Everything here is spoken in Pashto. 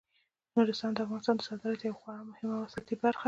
نورستان د افغانستان د صادراتو یوه خورا مهمه او اساسي برخه ده.